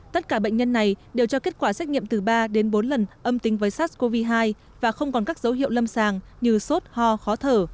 tất cả bệnh nhân này đều cho kết quả xét nghiệm từ ba đến bốn lần âm tính với sars cov hai và không còn các dấu hiệu lâm sàng như sốt ho khó thở